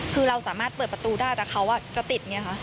คือเราสามารถเปิดประตูได้แต่เขาจะติดไงคะ